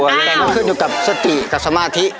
แต่มันขึ้นอยู่กับสติกับสมาธิ